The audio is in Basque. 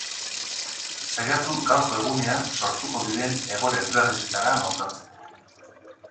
Saiatu gaurko egunean sortuko diren egoera ezberdinetara moldatzen.